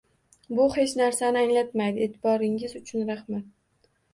Bu hech narsani anglatmaydi, e'tiboringiz uchun rahmat!